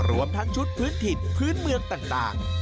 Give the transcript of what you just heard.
รวมทั้งชุดพื้นถิ่นพื้นเมืองต่าง